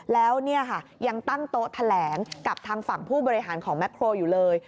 แล้วยังตั้งโต๊ะแถลงกับทางฝั่งผู้บริหารของแม็กโครอยู่เลย